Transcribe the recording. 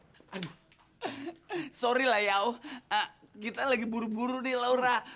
aduh sorry lah ya oh kita lagi buru buru nih laura